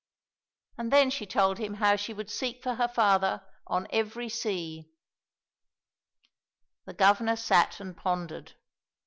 And then she told him how she would seek for her father on every sea. The Governor sat and pondered.